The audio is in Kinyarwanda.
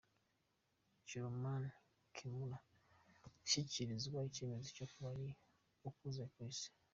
Jiroeman Kimura ashyikirizwa icyemezo cyo kuba ari ukuze ku Isi.